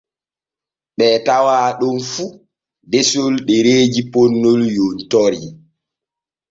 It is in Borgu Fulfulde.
Ɓee tawaa ɗon faa desol ɗereeji ponnol yontori.